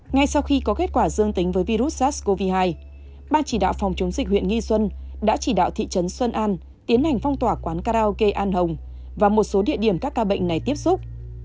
ngay sau khi có kết quả dương tính với virus sars cov hai ban chỉ đạo phòng chống dịch huyện nghi xuân đã chỉ đạo thị trấn xuân an tiến hành phong tỏa quán karaoke an hồng và một số địa điểm các ca bệnh này tiếp xúc